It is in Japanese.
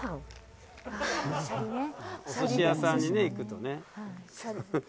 おすし屋さんに行くとね。